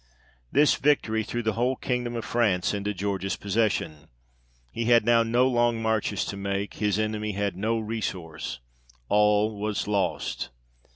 This victory threw the whole kingdom of France into George's possession ; he had now no long marches to make, his enemy had no resource. All was lost.